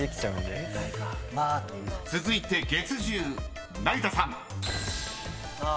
［続いて月１０成田さん］